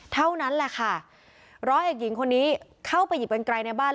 เท่านั้นแหละค่ะร้อยเอกหญิงคนนี้เข้าไปหยิบกันไกลในบ้าน